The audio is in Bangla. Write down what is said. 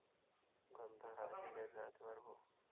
গন্ধ - হাহ সিগারেট ধরাতে পারবো?